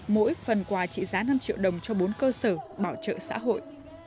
mỗi phần quà trị giá năm triệu đồng cho bốn cơ sở bảo trợ xã hội